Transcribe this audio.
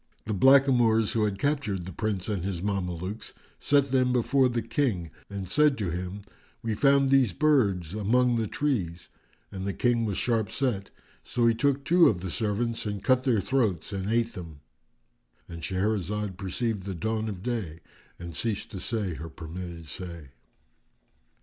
The blackamoors who had captured the Prince and his Mamelukes set them before the King and said to him, "We found these birds among the trees"; and the King was sharp set; so he took two of the servants and cut their throats and ate them;——And Shahrazad perceived the dawn of day and ceased to say her permitted say.